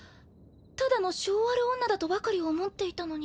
ただの性悪女だとばかり思っていたのに。